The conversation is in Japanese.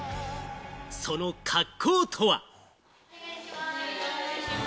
その格好とは？